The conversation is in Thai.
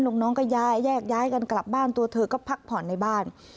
น้องก็ย้ายแยกย้ายกันกลับบ้านตัวเธอก็พักผ่อนในบ้าน